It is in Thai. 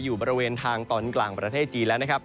อยู่บริเวณทางตอนกลางประเทศจีนแล้วนะครับ